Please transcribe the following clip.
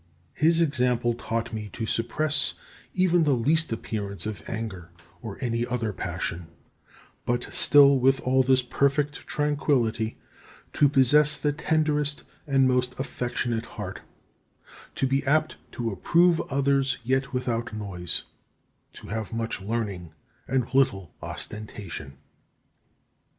His example taught me to suppress even the least appearance of anger or any other passion; but still, with all this perfect tranquillity, to possess the tenderest and most affectionate heart; to be apt to approve others yet without noise; to have much learning and little ostentation.